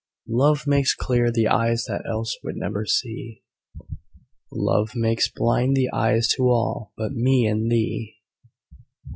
Love makes clear the eyes that else would never see: "Love makes blind the eyes to all but me and thee."